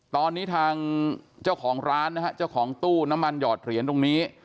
ตอนนี้ทางเจ้าของร้านนะฮะเจ้าของตู้น้ำมันหอดเหรียญตรงนี้